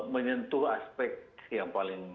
menyentuh aspek yang paling